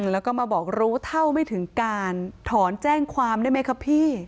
แล้วก็มาบอกรู้เท่าไม่ถึงการถอนแจ้งความได้ไหมครับพี่